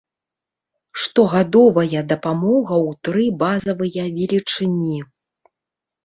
Штогадовая дапамога ў тры базавыя велічыні.